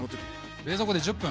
冷蔵庫で１０分。